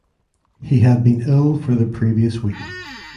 He had been ill for the previous week.